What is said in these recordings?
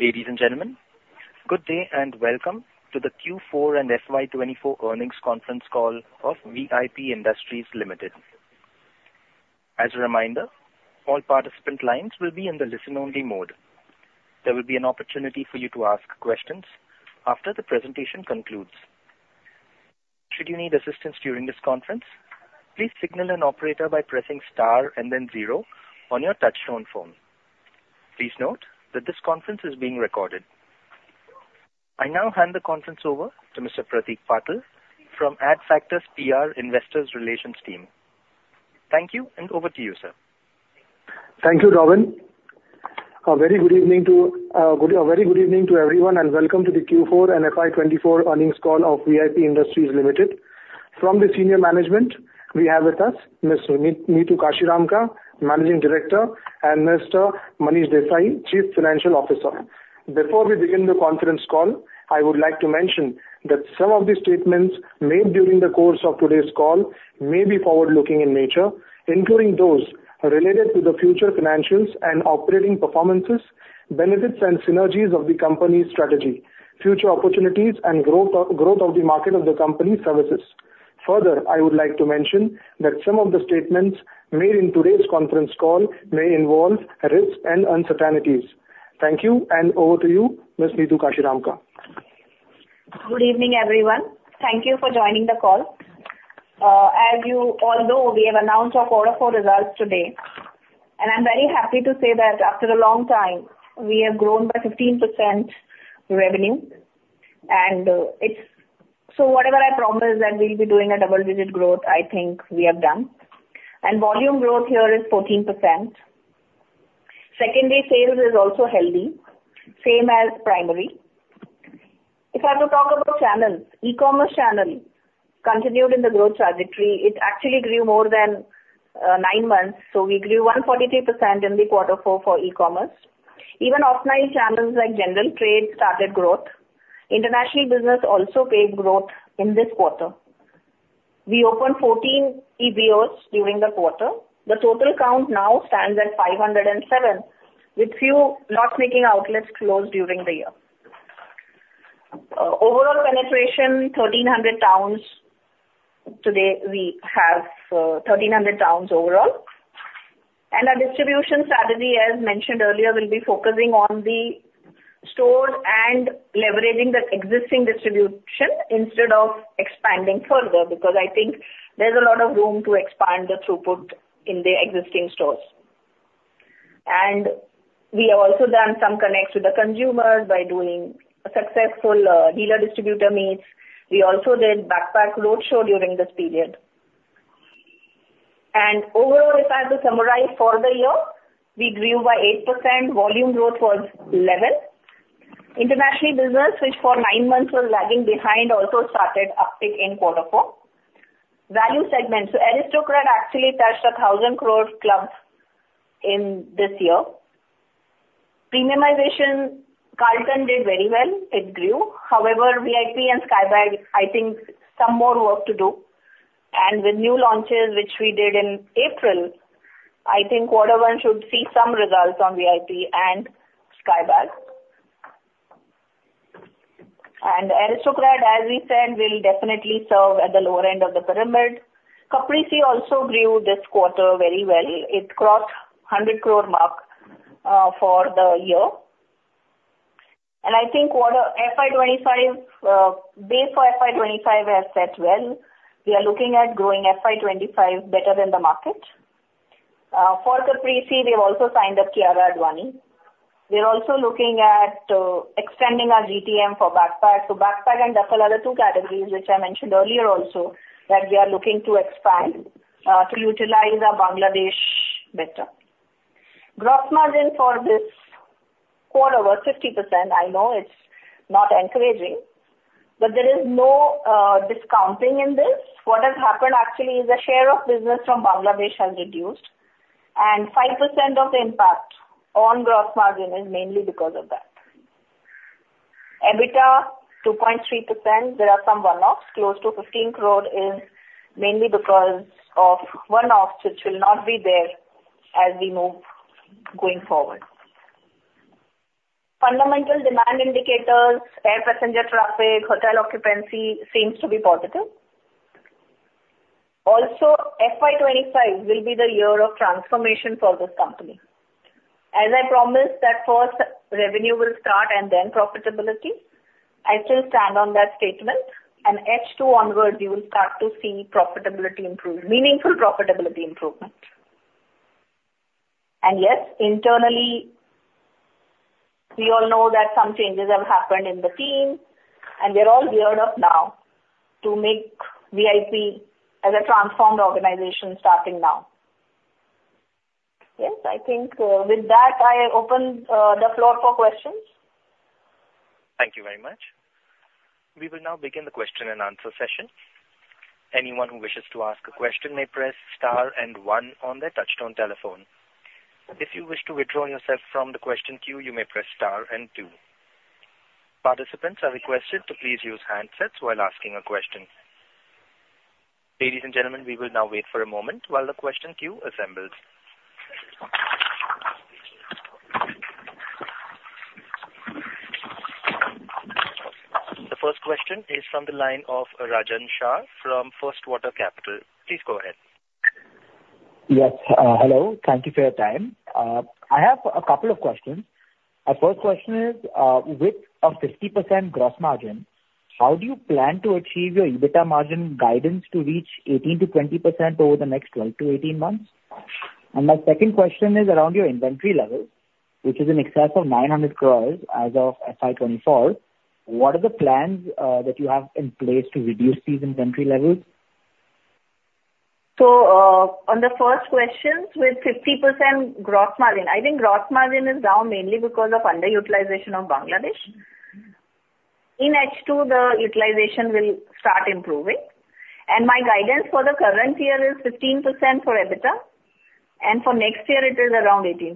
Ladies and gentlemen, good day, and welcome to the Q4 and FY 2024 Earnings Conference Call of VIP Industries Ltd. As a reminder, all participant lines will be in the listen-only mode. There will be an opportunity for you to ask questions after the presentation concludes. Should you need assistance during this conference, please signal an operator by pressing star and then zero on your touch-tone phone. Please note that this conference is being recorded. I now hand the conference over to Mr. Pratik Patil from Adfactors PR Investors Relations team. Thank you, and over to you, sir. Thank you, Rovin. A very good evening to everyone, and welcome to the Q4 and FY 2024 earnings call of VIP Industries Ltd. From the senior management, we have with us Ms. Neetu Kashiramka, Managing Director, and Mr. Manish Desai, Chief Financial Officer. Before we begin the conference call, I would like to mention that some of the statements made during the course of today's call may be forward-looking in nature, including those related to the future financials and operating performances, benefits and synergies of the company's strategy, future opportunities and growth, growth of the market of the company's services. Further, I would like to mention that some of the statements made in today's conference call may involve risks and uncertainties. Thank you, and over to you, Ms. Neetu Kashiramka. Good evening, everyone. Thank you for joining the call. As you all know, we have announced our quarter four results today, and I'm very happy to say that after a long time, we have grown by 15% revenue. So whatever I promised that we'll be doing a double-digit growth, I think we have done. Volume growth here is 14%. Secondary sales is also healthy, same as primary. If I have to talk about channels, e-commerce channel continued in the growth trajectory. It actually grew more than nine months, so we grew 143% in the quarter four for e-commerce. Even offline channels like general trade started growth. International business also posted growth in this quarter. We opened 14 EBOs during the quarter. The total count now stands at 507, with a few loss-making outlets closed during the year. Overall penetration, 1,300 towns. Today, we have 1,300 towns overall. Our distribution strategy, as mentioned earlier, will be focusing on the stores and leveraging the existing distribution instead of expanding further, because I think there's a lot of room to expand the throughput in the existing stores. We have also done some connects with the consumers by doing a successful dealer distributor meets. We also did backpack roadshow during this period. Overall, if I have to summarize for the year, we grew by 8%. Volume growth was 11. International business, which for 9 months was lagging behind, also started uptick in quarter four. Value segment. So Aristocrat actually touched the 1,000 crore club in this year. Premiumization, Carlton did very well. It grew. However, VIP and Skybags, I think some more work to do. With new launches, which we did in April, I think quarter one should see some results on VIP and Skybags. Aristocrat, as we said, will definitely serve at the lower end of the pyramid. Caprese also grew this quarter very well. It crossed 100 crore mark for the year. I think quarter FY 2025 base for FY 2025 has set well. We are looking at growing FY 2025 better than the market. For Caprese, we've also signed up Kiara Advani. We're also looking at extending our GTM for backpack. So backpack and duffle are the two categories, which I mentioned earlier also, that we are looking to expand to utilize our Bangladesh better. Gross margin for this quarter was 50%. I know it's not encouraging, but there is no discounting in this. What has happened actually is the share of business from Bangladesh has reduced, and 5% of the impact on gross margin is mainly because of that. EBITDA 2.3%. There are some one-offs. Close to 15 crore is mainly because of one-offs, which will not be there as we move going forward. Fundamental demand indicators, air passenger traffic, hotel occupancy seems to be positive. Also, FY 2025 will be the year of transformation for this company. As I promised, that first revenue will start and then profitability, I still stand on that statement. And H2 onwards, you will start to see profitability improve, meaningful profitability improvement. And yes, internally, we all know that some changes have happened in the team, and we are all geared up now to make VIP as a transformed organization starting now. Yes, I think, with that, I open the floor for questions. Thank you very much. We will now begin the question-and-answer session. Anyone who wishes to ask a question may press star and one on their touch-tone telephone. If you wish to withdraw yourself from the question queue, you may press star and two. Participants are requested to please use handsets while asking a question... Ladies and gentlemen, we will now wait for a moment while the question queue assembles. The first question is from the line of Rajan Shah from First Water Capital. Please go ahead. Yes. Hello. Thank you for your time. I have a couple of questions. Our first question is, with a 50% gross margin, how do you plan to achieve your EBITDA margin guidance to reach 18%-20% over the next 12-18 months? And my second question is around your inventory level, which is in excess of 900 crore as of FY 2024. What are the plans, that you have in place to reduce these inventory levels? So, on the first question, with 50% gross margin, I think gross margin is down mainly because of underutilization of Bangladesh. In H2, the utilization will start improving, and my guidance for the current year is 15% for EBITDA, and for next year it is around 18%.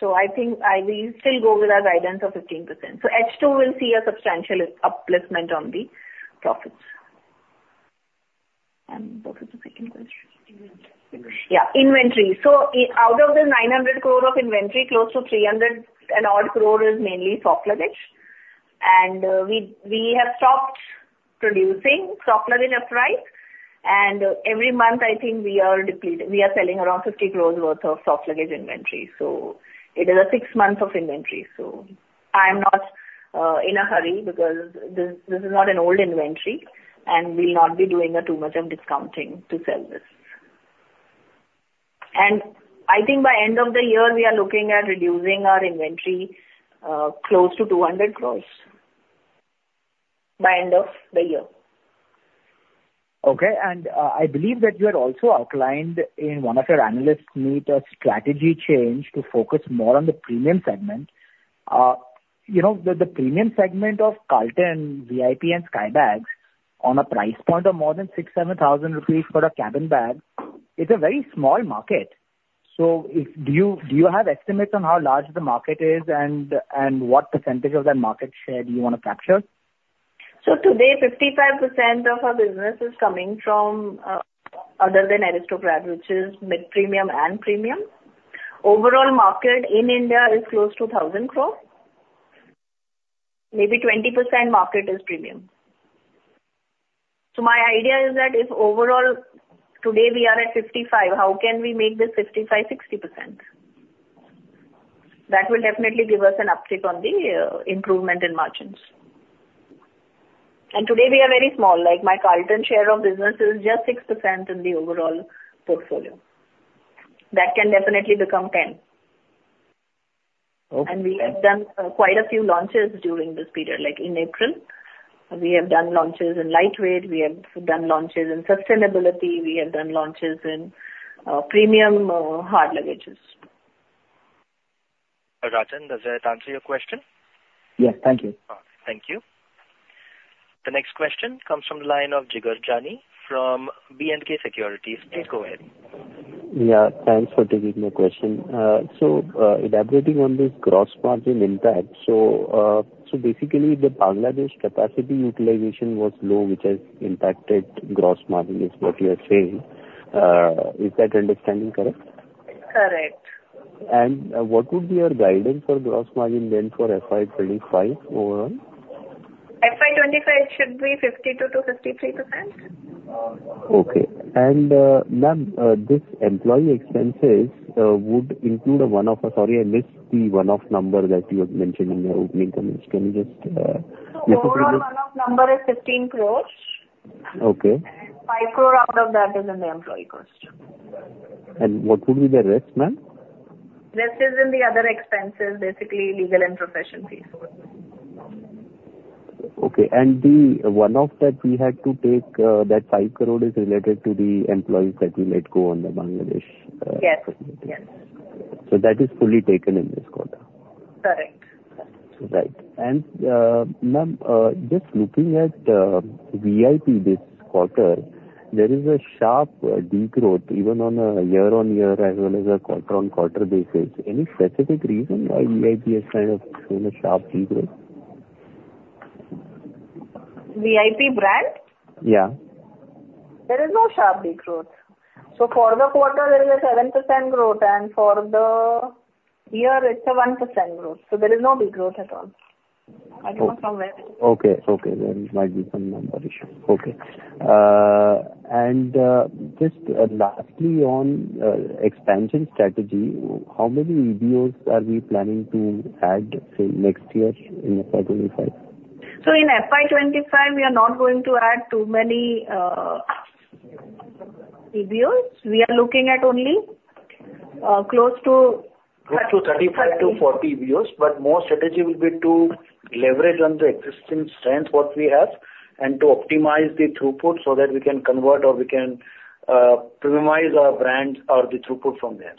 So I think I will still go with our guidance of 15%. So H2 will see a substantial upliftment on the profits. And what was the second question? Inventory. Yeah, inventory. So out of the 900 crore of inventory, close to 300 crore or so is mainly soft luggage. And we have stopped producing soft luggage upright. And every month, I think we are depleting. We are selling around 50 crore worth of soft luggage inventory. So it is a six months of inventory. So I am not in a hurry because this is not an old inventory, and we'll not be doing too much of discounting to sell this. And I think by end of the year, we are looking at reducing our inventory close to 200 crore, by end of the year. Okay. I believe that you had also outlined in one of your analyst meet, a strategy change to focus more on the premium segment. You know, the premium segment of Carlton, VIP and Skybags, on a price point of more than 6,000-7,000 rupees for a cabin bag, is a very small market. So if... Do you have estimates on how large the market is and what percentage of that market share do you want to capture? So today, 55% of our business is coming from, other than Aristocrat, which is mid-premium and premium. Overall market in India is close to 1,000 crore. Maybe 20% market is premium. So my idea is that if overall today we are at 55, how can we make this 55, 60%? That will definitely give us an uptick on the, improvement in margins. And today, we are very small. Like, my Carlton share of business is just 6% in the overall portfolio. That can definitely become 10. Okay. We have done quite a few launches during this period. Like in April, we have done launches in lightweight, we have done launches in sustainability, we have done launches in premium, hard luggages. Rajan, does that answer your question? Yes. Thank you. Thank you. The next question comes from the line of Jigar Jani from B&K Securities. Please go ahead. Yeah, thanks for taking my question. So, elaborating on this gross margin impact, so basically, the Bangladesh capacity utilization was low, which has impacted gross margin, is what you are saying. Is that understanding correct? Correct. What would be your guidance for gross margin then, for FY 2025 overall? FY 2025 should be 52%-53%. Okay. And, ma'am, this employee expenses would include a one-off... Sorry, I missed the one-off number that you had mentioned in your opening comments. Can you just repeat it? Overall one-off number is 15 crore. Okay. 5 crore out of that is in the employee cost. What would be the rest, ma'am? Rest is in the other expenses, basically legal and professional fees. Okay. And the one-off that we had to take, that 5 crore is related to the employees that we let go on the Bangladesh. Yes. Yes. That is fully taken in this quarter? Correct. Right. And, ma'am, just looking at VIP this quarter, there is a sharp decline even on a year-on-year as well as a quarter-on-quarter basis. Any specific reason why VIP has kind of shown a sharp decline? VIP brand? Yeah. There is no sharp decline. For the quarter, there is a 7% growth, and for the year, it's a 1% growth. There is no decline at all. I don't know from where- Okay. Okay. There might be some number issue. Okay. And just lastly on expansion strategy, how many EBOs are we planning to add, say, next year in FY 2025? So in FY 2025, we are not going to add too many EBOs. We are looking at only close to thir- Close to 35-40 EBOs, but more strategy will be to leverage on the existing strength, what we have, and to optimize the throughput so that we can convert or we can premiumize our brands or the throughput from there.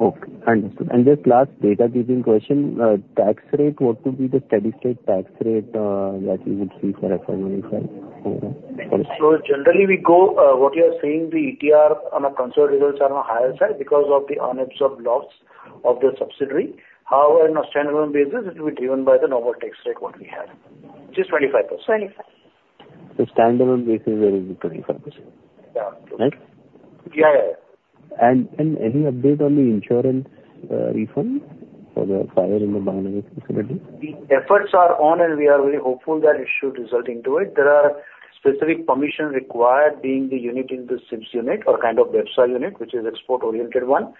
Okay. Understood. Just last data-giving question, tax rate, what would be the steady state tax rate that you would see for FY 2025 overall? So generally, we go, what you are saying, the ETR on a consolidated results are on a higher side because of the unabsorbed loss.... of the subsidiary. However, on a standalone basis, it will be driven by the normal tax rate what we have, which is 25%. 25. The standalone basis will be 25%? Yeah. Right? Yeah, yeah. Any update on the insurance refund for the fire in the Bangladesh facility? The efforts are on, and we are very hopeful that it should result into it. There are specific permission required being the unit in the SEZ unit, which is export-oriented one.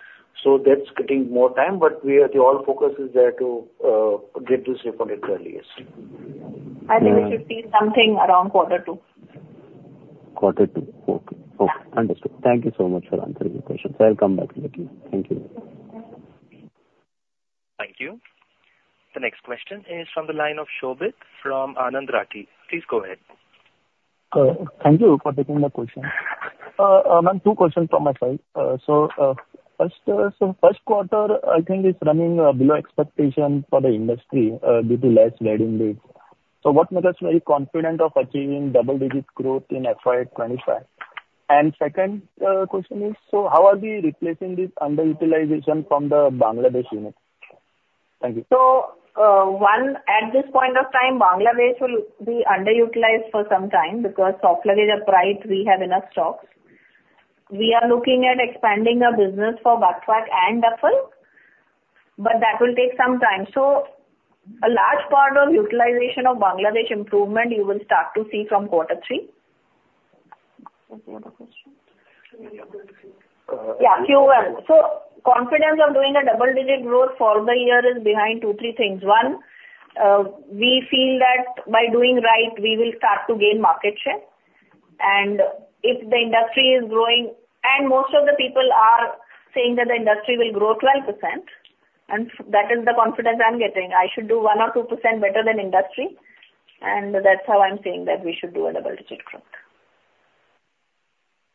So that's getting more time, but the full focus is there to get this refunded earliest. I think it should be something around quarter two. Quarter two. Okay. Okay, understood. Thank you so much for answering the questions. I'll come back to you. Thank you. Thank you. The next question is from the line of Shobhit from Anand Rathi. Please go ahead. Thank you for taking my question. Ma'am, two questions from my side. So, first, so first quarter, I think, is running below expectation for the industry due to less wedding dates. So what makes you very confident of achieving double-digit growth in FY 2025? And second, question is, so how are we replacing this underutilization from the Bangladesh unit? Thank you. So, at this point of time, Bangladesh will be underutilized for some time because soft luggage, right, we have enough stocks. We are looking at expanding our business for Backpack and Duffel, but that will take some time. So a large part of utilization of Bangladesh improvement you will start to see from quarter three. Okay. What other question? Yeah, Q1. So confidence of doing a double-digit growth for the year is behind two, three things. One, we feel that by doing right, we will start to gain market share. And if the industry is growing... And most of the people are saying that the industry will grow 12%, and that is the confidence I'm getting. I should do 1% or 2% better than industry, and that's how I'm saying that we should do a double-digit growth.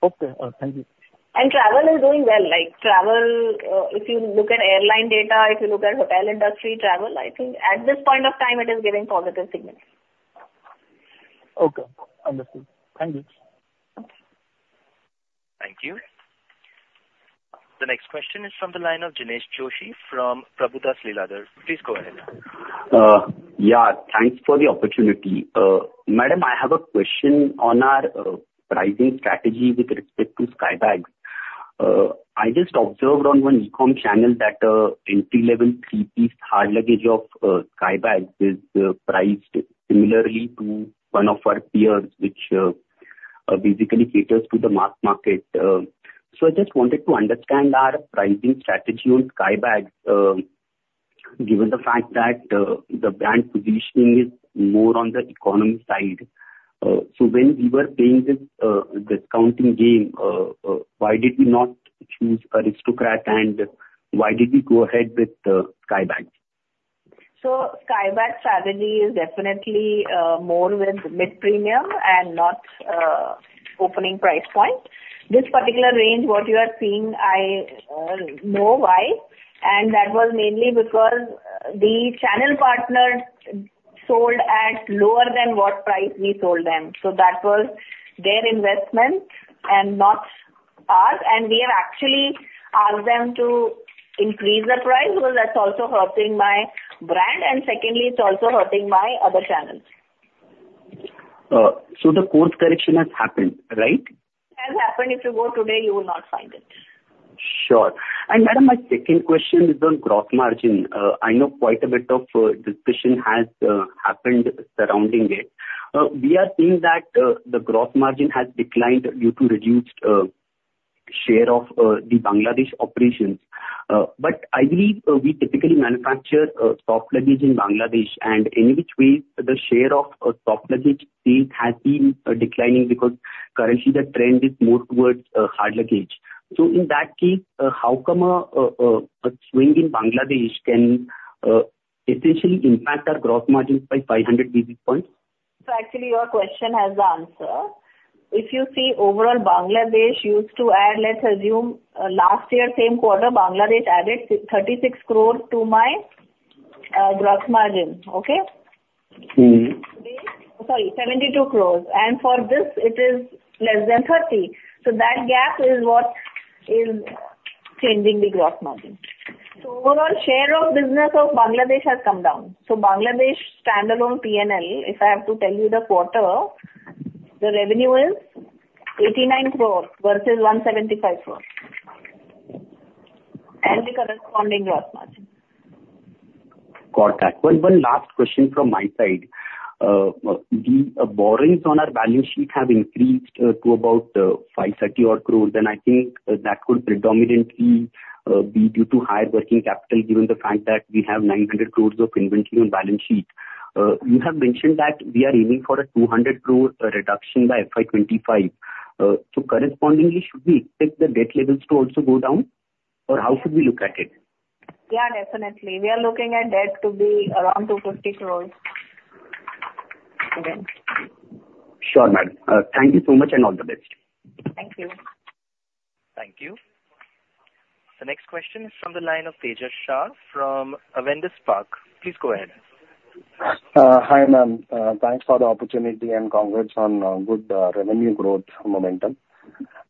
Okay. Thank you. Travel is doing well. Like, travel, if you look at airline data, if you look at hotel industry, travel, I think at this point of time, it is giving positive signals. Okay. Understood. Thank you. Thank you. The next question is from the line of Jinesh Joshi from Prabhudas Lilladher. Please go ahead. Yeah, thanks for the opportunity. Madam, I have a question on our pricing strategy with respect to Skybags. I just observed on one e-com channel that entry level three-piece hard luggage of Skybags is priced similarly to one of our peers, which basically caters to the mass market. So I just wanted to understand our pricing strategy on Skybags, given the fact that the brand positioning is more on the economy side. So when we were playing this discounting game, why did we not choose Aristocrat, and why did we go ahead with Skybags? So Skybags strategy is definitely, more with mid-premium and not, opening price point. This particular range, what you are seeing, I, know why, and that was mainly because the channel partners sold at lower than what price we sold them. So that was their investment and not ours. And we have actually asked them to increase the price, because that's also hurting my brand, and secondly, it's also hurting my other channels. So, the course correction has happened, right? Has happened. If you go today, you will not find it. Sure. And, madam, my second question is on gross margin. I know quite a bit of discussion has happened surrounding it. We are seeing that the gross margin has declined due to reduced share of the Bangladesh operations. But I believe we typically manufacture soft luggage in Bangladesh. And in which way the share of soft luggage sales has been declining, because currently the trend is more towards hard luggage. So in that case, how come a swing in Bangladesh can essentially impact our gross margins by 500 basis points? So actually, your question has the answer. If you see overall, Bangladesh used to add, let's assume, last year, same quarter, Bangladesh added 36 crore to my gross margin. Okay? Mm-hmm. Sorry, 72 crore. And for this it is less than 30. So that gap is what is changing the gross margin. So overall, share of business of Bangladesh has come down. So Bangladesh standalone P&L, if I have to tell you the quarter, the revenue is 89 crore versus 175 crore, and the corresponding gross margin. Got that. One last question from my side. The borrowings on our balance sheet have increased to about 53-odd crore, and I think that could predominantly be due to higher working capital, given the fact that we have 900 crore of inventory on balance sheet. You have mentioned that we are aiming for an 200 crore reduction by FY 2025. So correspondingly, should we expect the debt levels to also go down, or how should we look at it? Yeah, definitely. We are looking at debt to be around 250 crore. Sure, madam. Thank you so much, and all the best. Thank you. Thank you. The next question is from the line of Tejas Shah from Avendus Spark. Please go ahead. ... Hi, ma'am. Thanks for the opportunity, and congrats on good revenue growth momentum.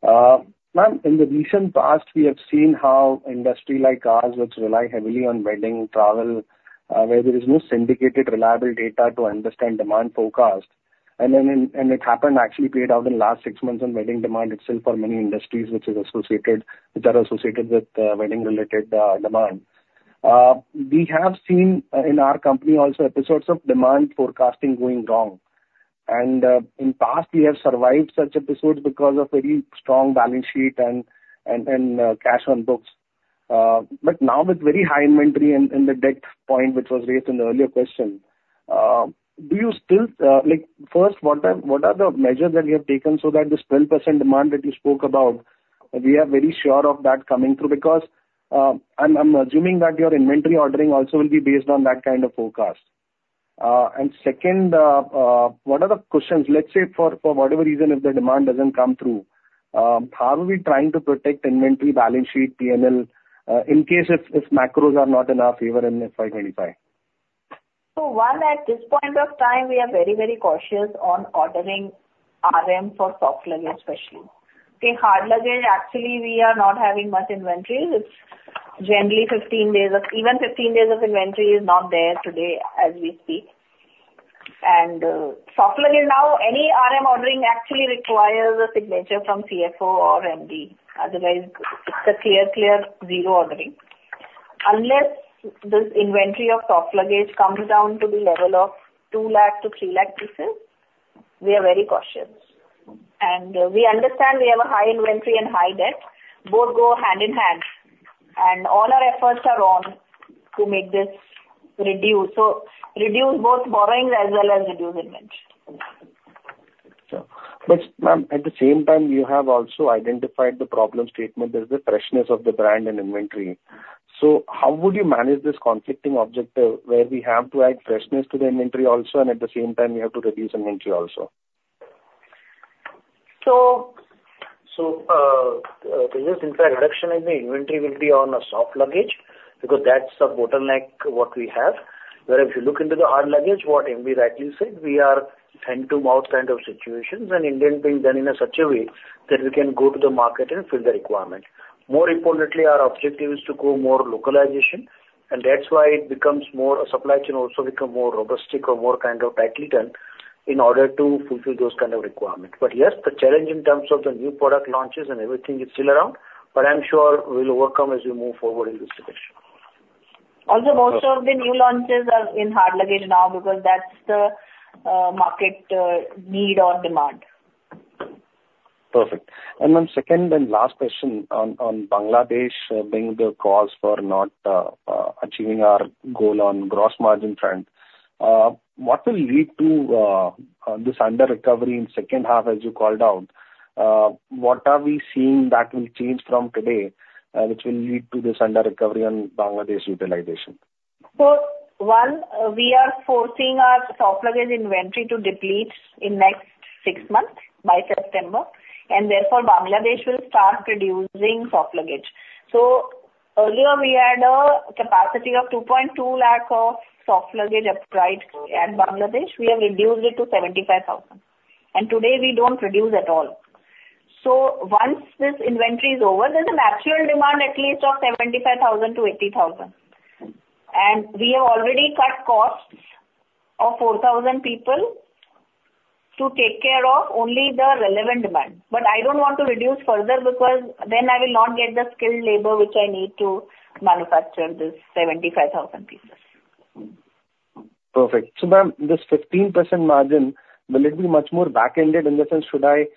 Ma'am, in the recent past, we have seen how industry like ours, which rely heavily on wedding, travel, where there is no syndicated reliable data to understand demand forecast. And then and, and it happened actually played out in the last six months on wedding demand itself for many industries, which is associated-- which are associated with wedding-related demand. We have seen in our company also episodes of demand forecasting going wrong. And in past, we have survived such episodes because of very strong balance sheet and, and, and cash on books. But now with very high inventory and the debt point, which was raised in the earlier question, do you still, like, first, what are the measures that you have taken so that this 12% demand that you spoke about, we are very sure of that coming through? Because, I'm assuming that your inventory ordering also will be based on that kind of forecast. And second, what are the questions, let's say, for whatever reason if the demand doesn't come through, how are we trying to protect inventory balance sheet P&L, in case if macros are not in our favor in FY 2025? So, 1, at this point of time, we are very, very cautious on ordering RM for soft luggage, especially. Okay, hard luggage, actually, we are not having much inventories. It's generally 15 days of inventory. Even 15 days of inventory is not there today as we speak. And, soft luggage now, any RM ordering actually requires a signature from CFO or MD. Otherwise, it's a clear, clear zero ordering. Unless this inventory of soft luggage comes down to the level of 200,000-300,000 pieces we are very cautious. And we understand we have a high inventory and high debt. Both go hand in hand, and all our efforts are on to make this reduce. So reduce both borrowings as well as reduce inventory. Sure. But ma'am, at the same time, you have also identified the problem statement. There's the freshness of the brand and inventory. So how would you manage this conflicting objective, where we have to add freshness to the inventory also, and at the same time, we have to reduce inventory also? So- So, this, in fact, reduction in the inventory will be on a soft luggage because that's the bottleneck what we have. Whereas if you look into the hard luggage, what MD rightly said, we are hand-to-mouth kind of situations and inventory being done in a such a way that we can go to the market and fill the requirement. More importantly, our objective is to go more localization, and that's why it becomes more supply chain also become more robust or more kind of tightly done in order to fulfill those kind of requirements. But yes, the challenge in terms of the new product launches and everything is still around, but I'm sure we'll overcome as we move forward in this direction. Also, most of the new launches are in hard luggage now because that's the market need or demand. Perfect. And then second and last question on Bangladesh being the cause for not achieving our goal on gross margin front. What will lead to this under-recovery in second half, as you called out? What are we seeing that will change from today, which will lead to this under-recovery on Bangladesh utilization? So one, we are forcing our soft luggage inventory to deplete in next six months, by September, and therefore, Bangladesh will start producing soft luggage. So earlier, we had a capacity of 2.2 lakh of soft luggage upright at Bangladesh. We have reduced it to 75,000, and today we don't produce at all. So once this inventory is over, there's a natural demand at least of 75,000 to 80,000. And we have already cut costs of 4,000 people to take care of only the relevant demand. But I don't want to reduce further because then I will not get the skilled labor which I need to manufacture this 75,000 pieces. Perfect. So, ma'am, this 15% margin, will it be much more back-ended? In the sense, should I,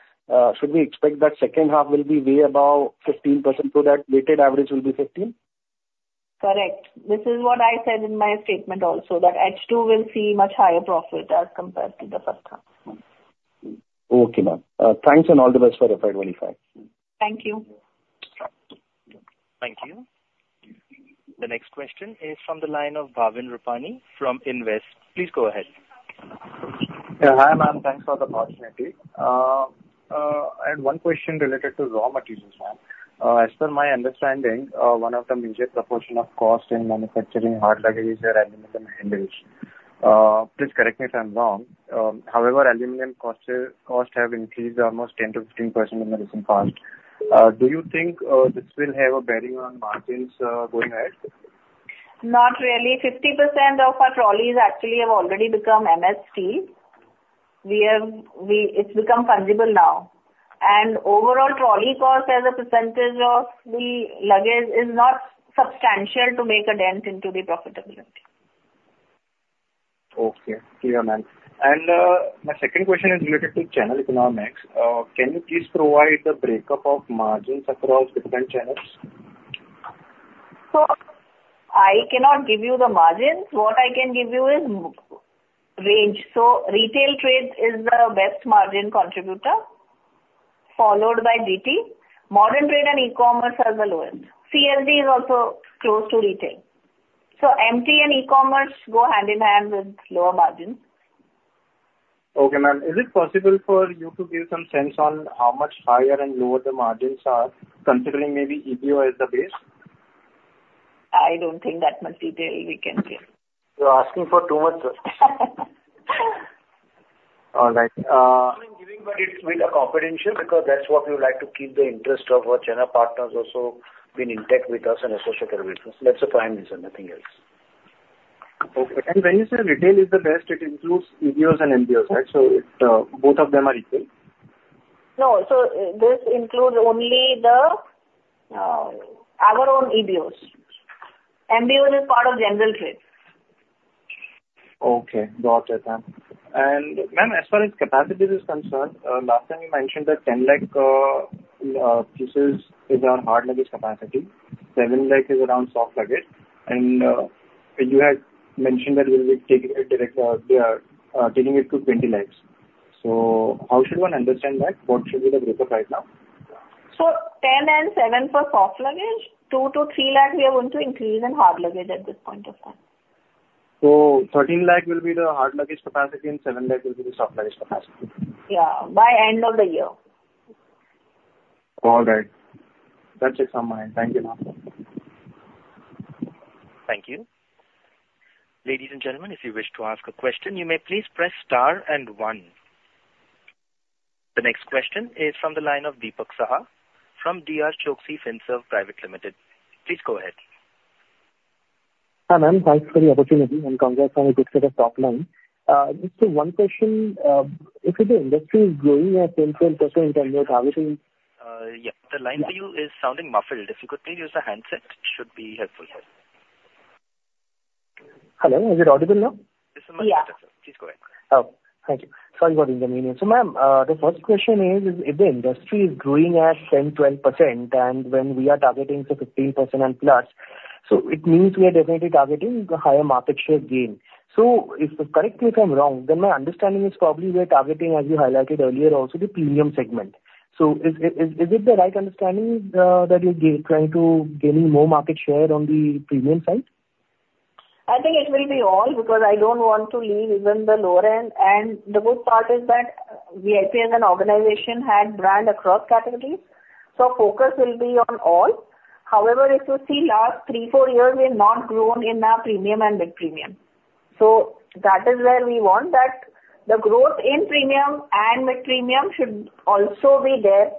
should we expect that second half will be way above 15%, so that weighted average will be 15%? Correct. This is what I said in my statement also, that H2 will see much higher profit as compared to the first half. Okay, ma'am. Thanks and all the best for FY 2025. Thank you. Thank you. The next question is from the line of Bhavin Rupani from Investec. Please go ahead. Yeah, hi, ma'am. Thanks for the opportunity. I had one question related to raw materials, ma'am. As per my understanding, one of the major proportion of cost in manufacturing hard luggage are aluminum and hinge. Please correct me if I'm wrong. However, aluminum costs have increased almost 10%-15% in the recent past. Do you think this will have a bearing on margins going ahead? Not really. 50% of our trolleys actually have already become MST. It's become fungible now. And overall trolley cost as a percentage of the luggage is not substantial to make a dent into the profitability. Okay. Clear, ma'am. And, my second question is related to channel economics. Can you please provide the breakup of margins across different channels? I cannot give you the margins. What I can give you is margin range. Retail trade is the best margin contributor, followed by DT. Modern Trade and e-commerce are the lowest. CSD is also close to retail. MT and e-commerce go hand in hand with lower margins. ... Okay, ma'am. Is it possible for you to give some sense on how much higher and lower the margins are, considering maybe EBO as the base? I don't think that much detail we can share. You're asking for too much, sir. All right. Given, but it's a bit confidential, because that's what we would like to keep the interest of our channel partners also been intact with us and associated with us. That's the prime reason, nothing else. Okay. And when you say retail is the best, it includes EBOs and MBOs, right? So it, both of them are equal. No. So this includes only our own EBOs. MBO is part of general trades. Okay. Got you, ma'am. Ma'am, as far as capacities is concerned, last time you mentioned that 10 lakh pieces is our hard luggage capacity, 7 lakh is around soft luggage. You had mentioned that we will be taking it direct, taking it to 20 lakhs. So how should one understand that? What should be the breakup right now? 10 and 7 for soft luggage, 2 lakh-3 lakh we are going to increase in hard luggage at this point of time. So 13 lakh will be the hard luggage capacity and 7 lakh will be the soft luggage capacity. Yeah, by end of the year. All right. That's it on my end. Thank you, ma'am. Thank you. Ladies and gentlemen, if you wish to ask a question, you may please press star and one. The next question is from the line of Dipak Saha from DRChoksey FinServ Pvt Ltd. Please go ahead. Hi, ma'am. Thanks for the opportunity, and congrats on a good set of top-line. Just one question, if the industry is growing at 10%-12% in terms of targeting- Yeah, the line to you is sounding muffled. If you could please use a handset, should be helpful here. Hello, is it audible now? Yes, much better, sir. Yeah. Please go ahead. Oh, thank you. Sorry for the inconvenience. So, ma'am, the first question is, if the industry is growing at 10%, 12%, and when we are targeting say 15% and plus, so it means we are definitely targeting the higher market share gain. So if, correct me if I'm wrong, then my understanding is probably we are targeting, as you highlighted earlier, also the premium segment. So is, is, is it the right understanding, that you're trying to gain more market share on the premium side? I think it will be all, because I don't want to leave even the lower end. The good part is that VIP as an organization had brand across categories, so focus will be on all. However, if you see last three, four years, we've not grown in our premium and mid-premium. So that is where we want that the growth in premium and mid-premium should also be there,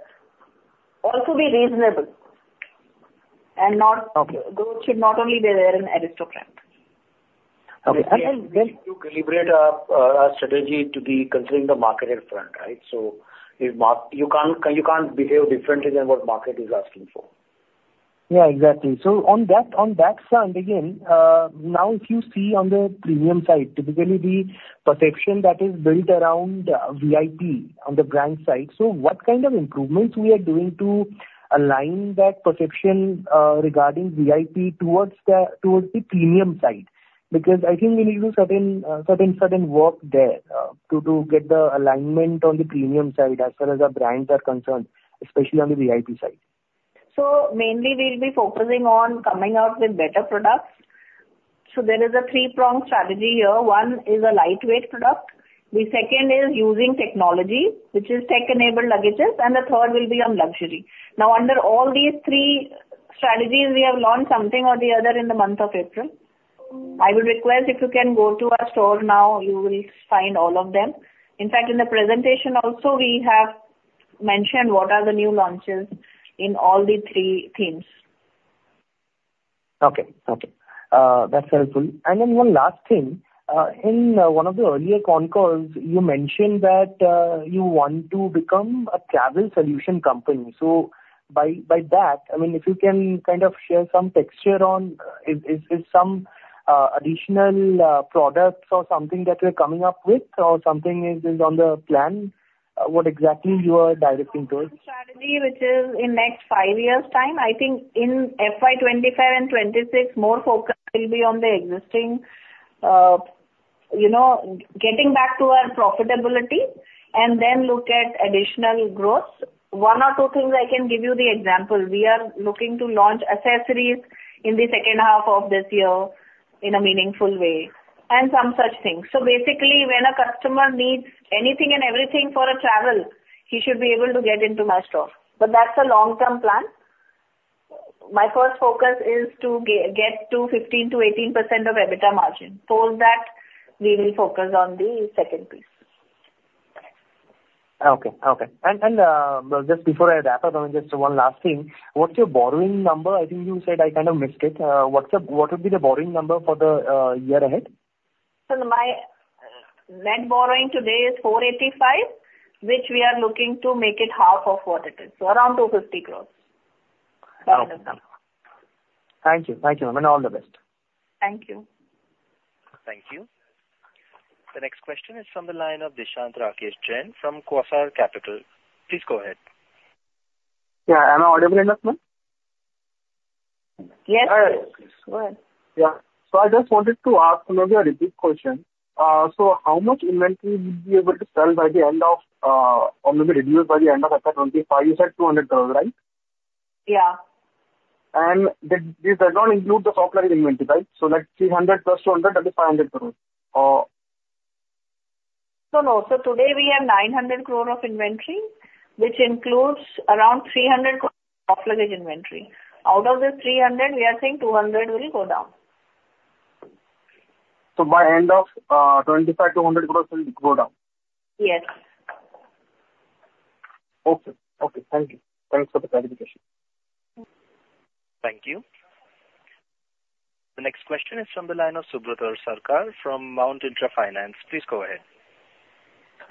also be reasonable, and not- Okay. Growth should not only be there in Aristocrat. Okay, and then- You calibrate our strategy to be considering the market at front, right? So if you can't, you can't behave differently than what market is asking for. Yeah, exactly. So on that front again, now, if you see on the premium side, typically the perception that is built around VIP on the brand side. So what kind of improvements we are doing to align that perception regarding VIP towards the premium side? Because I think we need to certain work there to get the alignment on the premium side as far as our brands are concerned, especially on the VIP side. So mainly we'll be focusing on coming out with better products. So there is a three-pronged strategy here. One is a lightweight product, the second is using technology, which is tech-enabled luggages, and the third will be on luxury. Now, under all these three strategies, we have launched something or the other in the month of April. I would request if you can go to our store now, you will find all of them. In fact, in the presentation also, we have mentioned what are the new launches in all the three themes. Okay. Okay, that's helpful. And then one last thing. In one of the earlier concalls, you mentioned that you want to become a travel solution company. So by that, I mean, if you can kind of share some texture on some additional products or something that we're coming up with or something that's on the plan, what exactly you are directing towards? Strategy, which is in next five years' time, I think in FY 2025 and 2026, more focus will be on the existing, you know, getting back to our profitability and then look at additional growth. One or two things I can give you the example. We are looking to launch accessories in the second half of this year in a meaningful way, and some such things. So basically, when a customer needs anything and everything for a travel, he should be able to get into my store. But that's a long-term plan. My first focus is to get to 15%-18% EBITDA margin. Post that, we will focus on the second piece. Okay. Okay. And just before I wrap up, just one last thing. What's your borrowing number? I think you said, I kind of missed it. What's the—what would be the borrowing number for the year ahead? My net borrowing today is 485 crores, which we are looking to make it half of what it is, so around 250 crores. Wow! That is the number. Thank you. Thank you, ma'am, and all the best. Thank you. Thank you. The next question is from the line of Dishant Rakesh Jain from Quasar Capital. Please go ahead. Yeah. Am I audible enough, ma'am? Yes. Hi. Go ahead. Yeah. So I just wanted to ask maybe a repeat question. So how much inventory would you be able to sell by the end of, or maybe reduce by the end of FY 2025? You said 200 crore, right?... Yeah. This does not include the soft luggage inventory, right? That's 300 crore plus 200 crore, that is 500 crore. No, no. Today we have 900 crore of inventory, which includes around 300 crore soft luggage inventory. Out of this 300, we are saying 200 will go down. So by end of 2025, 200 crore will go down? Yes. Okay. Okay, thank you. Thanks for the clarification. Thank you. The next question is from the line of Subrata Sarkar from Mount Intra Finance. Please go ahead.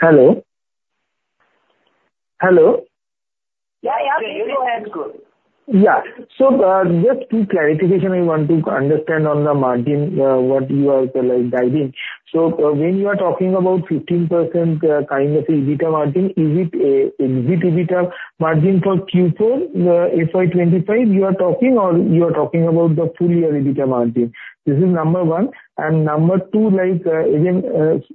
Hello? Hello? Yeah, yeah. Please go ahead. Yeah. So, just two clarification I want to understand on the margin, what you are saying, like, guiding. So when you are talking about 15%, kind of EBITDA margin, is it a exit EBITDA margin for Q4, FY 2025 you are talking, or you are talking about the full year EBITDA margin? This is number one. And number two, like, again,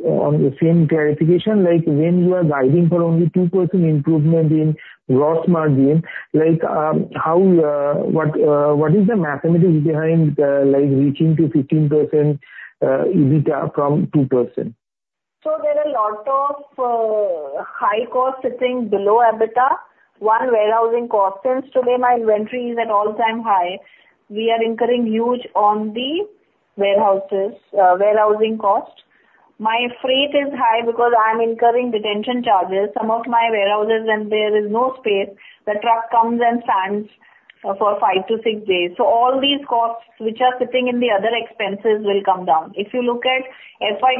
on the same clarification, like, when you are guiding for only 2% improvement in gross margin, like, how, what, what is the mathematics behind, like, reaching to 15% EBITDA from 2%? So there are a lot of high costs sitting below EBITDA. One, warehousing cost. Since today my inventory is at all-time high, we are incurring huge on the warehouses, warehousing costs. My freight is high because I am incurring detention charges. Some of my warehouses, when there is no space, the truck comes and stands for 5-6 days. So all these costs, which are sitting in the other expenses, will come down. If you look at FY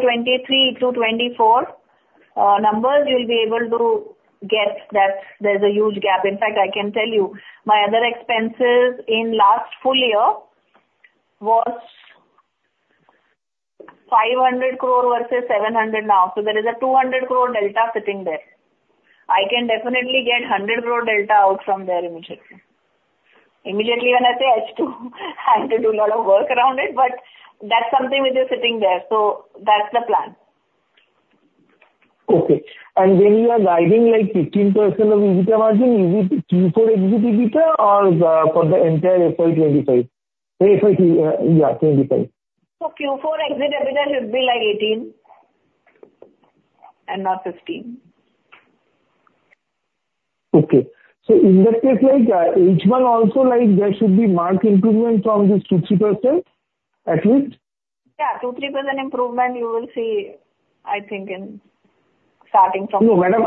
2023-2024 numbers, you'll be able to guess that there's a huge gap. In fact, I can tell you, my other expenses in last full year was 500 crore versus 700 crore now. So there is a 200 crore delta sitting there. I can definitely get 100 crore delta out from there immediately. Immediately, when I say, I have to, I have to do a lot of work around it, but that's something which is sitting there. That's the plan. Okay. And when you are guiding, like, 15% EBITDA margin, is it Q4 exit EBITDA or for the entire FY 2025? Q4 exit EBITDA should be, like, 18 and not 15. Okay. So in that case, like, H1 also, like, there should be marked improvement from this 2%-3%, at least? Yeah, 2%-3% improvement you will see, I think, in starting from- No, madam.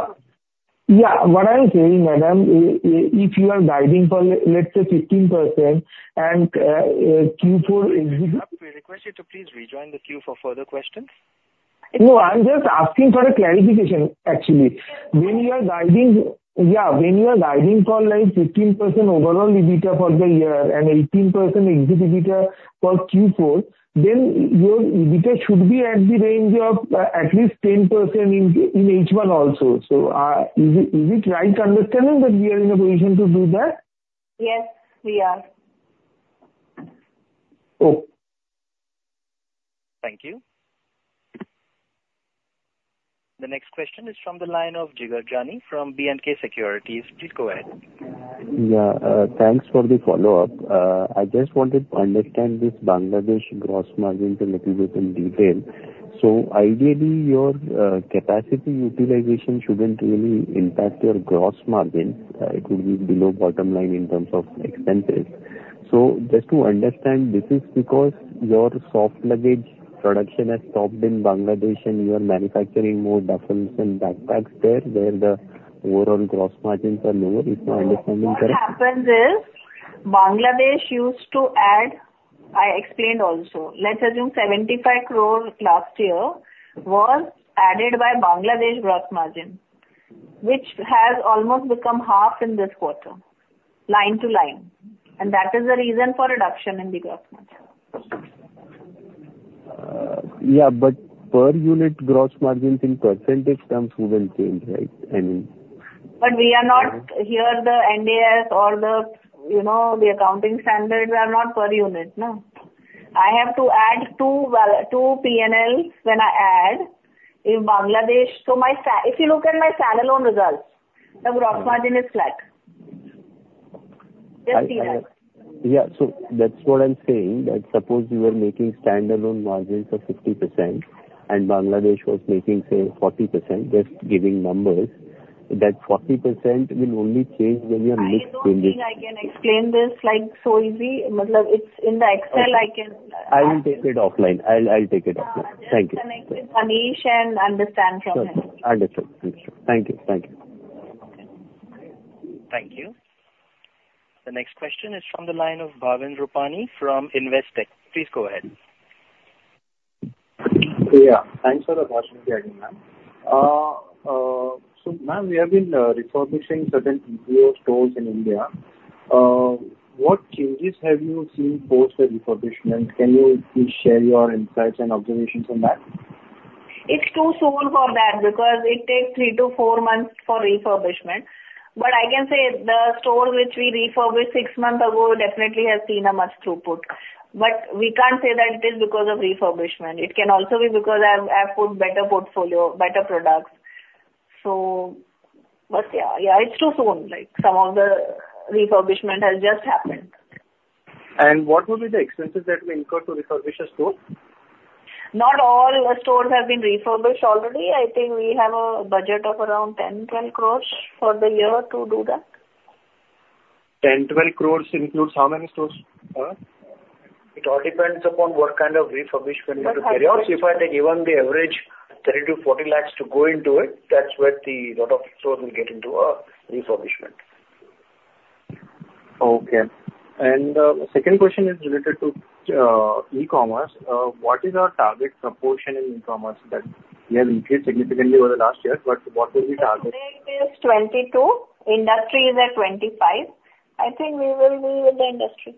Yeah, what I'm saying, madam, if you are guiding for, let's say, 15% and Q4- We request you to please rejoin the queue for further questions. No, I'm just asking for a clarification, actually. Yes. When you are guiding... Yeah, when you are guiding for, like, 15% overall EBITDA for the year and 18% exit EBITDA for Q4, then your EBITDA should be at the range of at least 10% in H1 also. So, is it right understanding that we are in a position to do that? Yes, we are. Okay. Thank you. The next question is from the line of Jigar Jani from B&K Securities. Please go ahead. Yeah, thanks for the follow-up. I just wanted to understand this Bangladesh gross margin a little bit in detail. So ideally, your capacity utilization shouldn't really impact your gross margin. It will be below bottom line in terms of expenses. So just to understand, this is because your soft luggage production has stopped in Bangladesh, and you are manufacturing more duffels and backpacks there, where the overall gross margins are lower. If my understanding correct? What happens is, Bangladesh used to add, I explained also, let's assume 75 crore last year was added by Bangladesh gross margin, which has almost become half in this quarter, line to line, and that is the reason for reduction in the gross margin. Yeah, but per unit gross margins in percentage terms will then change, right? I mean- But we are not, here the Ind AS or the, you know, the accounting standards are not per unit, no. I have to add two P&Ls when I add in Bangladesh. So my—if you look at my standalone results, the gross margin is flat. Just see that. Yeah, so that's what I'm saying, that suppose you were making standalone margins of 50% and Bangladesh was making, say, 40%, just giving numbers, that 40% will only change when you are making- I don't think I can explain this, like, so easy. Okay. It's in the Excel, I can. I will take it offline. I'll take it offline. Uh- Thank you. Just connect with Manish and understand from him. Understood. Understood. Thank you. Thank you. Thank you. The next question is from the line of Bhavin Rupani from Investec. Please go ahead. Yeah, thanks for the opportunity, ma'am. So, ma'am, we have been refurbishing certain ECL stores in India. What changes have you seen post the refurbishment? Can you please share your insights and observations on that? It's too soon for that, because it takes three to four months for refurbishment. But I can say the store which we refurbished six months ago definitely has seen a much throughput. But we can't say that it is because of refurbishment. It can also be because I have, I have put better portfolio, better products.... So but yeah, yeah, it's too soon. Like, some of the refurbishment has just happened. What will be the expenses that we incur to refurbish a store? Not all the stores have been refurbished already. I think we have a budget of around 10 crores-12 crores for the year to do that. 10 crore-12 crore includes how many stores? It all depends upon what kind of refurbishment you have to carry out. If I take even the average 30 lakh-40 lakh to go into it, that's where the lot of stores will get into a refurbishment. Okay. Second question is related to e-commerce. What is our target proportion in e-commerce that we have increased significantly over the last year, but what is the target? Today it is 22, industry is at 25. I think we will be with the industry.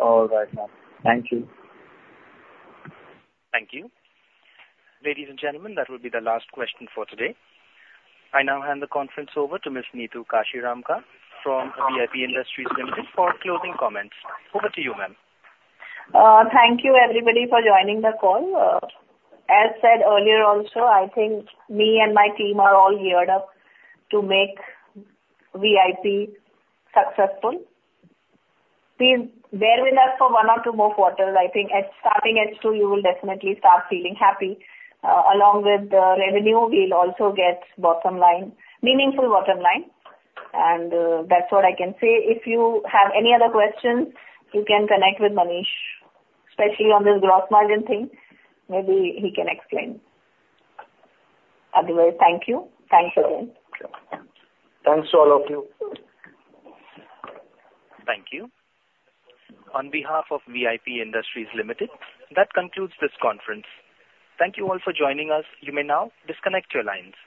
All right, ma'am. Thank you. Thank you. Ladies and gentlemen, that will be the last question for today. I now hand the conference over to Ms. Neetu Kashiramka from VIP Industries Ltd for closing comments. Over to you, ma'am. Thank you, everybody, for joining the call. As said earlier also, I think me and my team are all geared up to make VIP successful. Please bear with us for one or two more quarters. I think at starting H2, you will definitely start feeling happy. Along with the revenue, we'll also get bottom line, meaningful bottom line, and that's what I can say. If you have any other questions, you can connect with Manish, especially on this gross margin thing. Maybe he can explain. Otherwise, thank you. Thanks, again. Thanks to all of you. Thank you. On behalf of VIP Industries Ltd, that concludes this conference. Thank you all for joining us. You may now disconnect your lines.